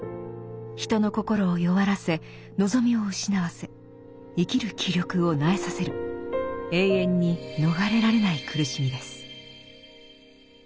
人の心を弱らせ望みを失わせ生きる気力を萎えさせる永遠に逃れられない苦しみです。